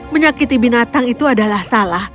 menyakiti binatang itu adalah salah